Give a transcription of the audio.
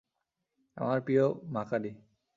আমার প্রিয় মাকারি।